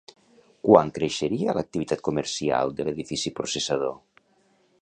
Quant creixeria l'activitat comercial de l'edifici processador?